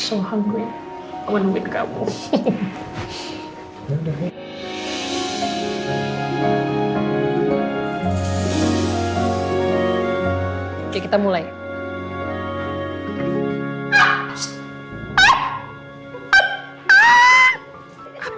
oh hanya kesukaan terlihat